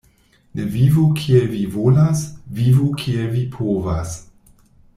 Ne vivu kiel vi volas, vivu kiel vi povas.